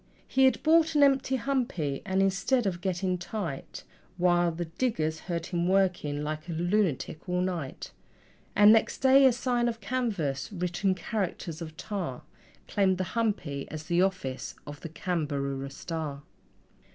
He had bought an empty humpy, and, instead of getting tight, Why, the diggers heard him working like a lunatic all night: And next day a sign of canvas, writ in characters of tar, Claimed the humpy as the office of the CAMBAROORA STAR.